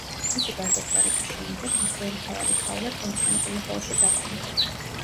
მისი გარდაცვალების შემდეგ მღვდელმთავარი პავლე კონსტანტინოპოლში დაბრუნდა.